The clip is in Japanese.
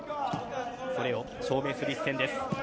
それを証明する一戦です。